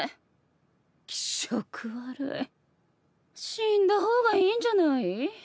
死んだ方がいいんじゃない？